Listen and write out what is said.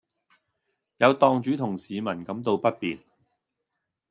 有檔主同市民感到不便